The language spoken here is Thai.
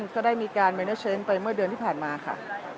ก็ได้มีการไปเมื่อเดือนที่ผ่านมาค่ะ